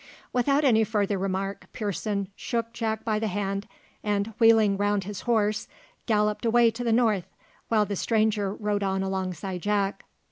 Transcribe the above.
Without any further remark, Pearson shook Jack by the hand, and, wheeling round his horse, galloped away to the north, while the stranger rode on alongside Jack.